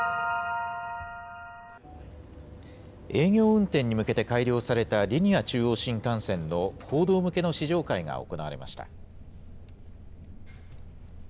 営業運転に向けて改良されたリニア中央新幹線の報道向けの試乗会が行われました。